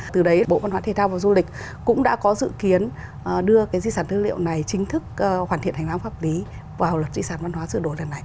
từ đấy bộ văn hóa thể thao và du lịch cũng đã có dự kiến đưa di sản tư liệu này chính thức hoàn thiện hành lang pháp lý vào luật di sản văn hóa sửa đổi lần này